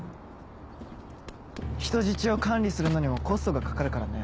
人質を管理するのにもコストがかかるからね。